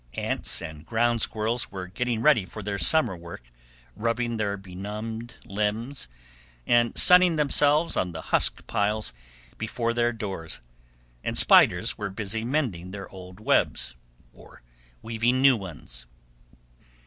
Ants and ground squirrels were getting ready for their summer work, rubbing their benumbed limbs, and sunning themselves on the husk piles before their doors, and spiders were busy mending their old webs, or weaving new ones.